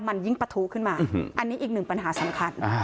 มันยิ่งปะทุขึ้นมาอันนี้อีกหนึ่งปัญหาสำคัญ